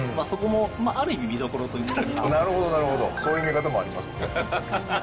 なるほどなるほどそういう見方もありますね。